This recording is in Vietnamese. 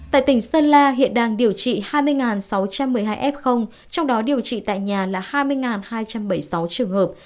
tại tỉnh sơn la hiện đang điều trị hai mươi sáu trăm một mươi hai f trong đó điều trị tại nhà là hai mươi hai trăm bảy mươi sáu trường hợp